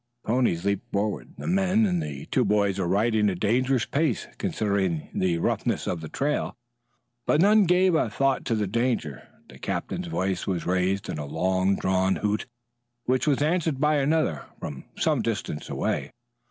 The ponies leaped forward. The man and the two boys were riding a dangerous pace considering the roughness of the trail, but none gave a thought to the danger. The captain's voice was raised in a long drawn hoot, which was answered by another from some distance away.